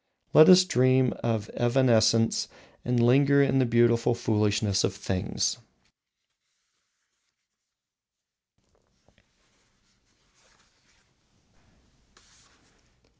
Let us dream of evanescence, and linger in the beautiful foolishness of things.